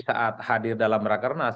saat hadir dalam rakernas